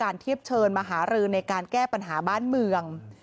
เทียบเชิญมหารือในการแก้ปัญหาบ้านเมือง